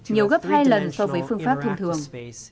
nhiều gấp hai lần so với phương pháp thông thường